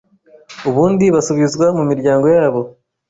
ubundi basubizwa mu miryango yabo.